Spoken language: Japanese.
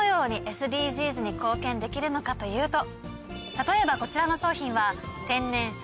例えばこちらの商品は。